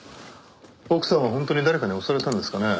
奥さんは本当に誰かに襲われたんですかね？